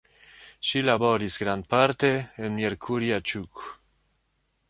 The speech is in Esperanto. Ŝi laboris grandparte en Miercurea Ciuc.